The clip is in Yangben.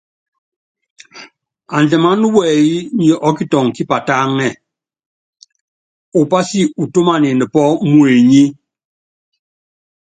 Andimáná wɛyí nyi ɔ́kitɔŋ kípatáŋɛ́, upási utúmanin pɔ́ muenyí.